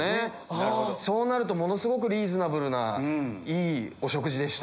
そうなるとものすごくリーズナブルないいお食事でした。